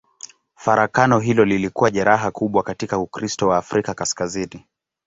Farakano hilo lilikuwa jeraha kubwa katika Ukristo wa Afrika Kaskazini.